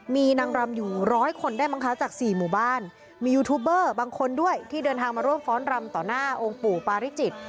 มีนางรำอยู่ร้อยคนได้มั้งคะจากสี่หมู่บ้านมียูทูบเบอร์บางคนด้วยที่เดินทางมาร่วมฟ้อนรำต่อหน้าองค์ปู่ปาริจิต